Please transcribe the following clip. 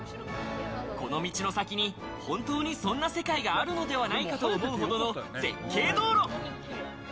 この道の先に本当にそんな世界があるのではないかと思うほどのでっけえ道路。